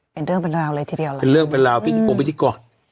เป็นเรื่องเป็นราวเลยทีเดียวล่ะเป็นเรื่องเป็นราวพิธีกรพิธีกร